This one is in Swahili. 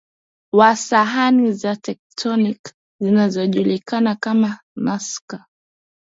wa sahani za tectonic zinazojulikana kama Nazca